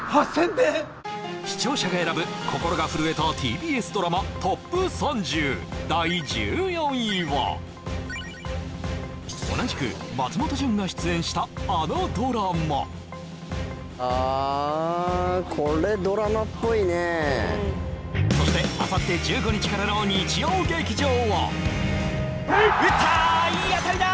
点視聴者が選ぶ心が震えたＴＢＳドラマＴＯＰ３０第１４位は同じく松本潤が出演したあのドラマあこれドラマっぽいねそしてあさって１５日からの日曜劇場は打ったいいあたりだ